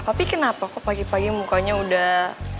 tapi kenapa kok pagi pagi mukanya udah